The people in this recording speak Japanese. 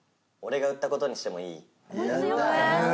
俺が売ったことにしてもいい？